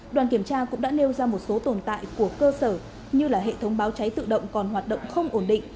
đoàn kiểm tra cũng đã nêu ra một số tồn tại của cơ sở như hệ thống báo cháy tự động còn hoạt động không ổn định